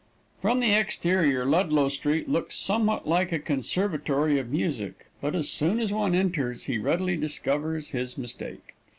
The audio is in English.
From the exterior Ludlow Street Jail looks somewhat like a conservatory of music, but as soon as one enters he readily discovers his mistake.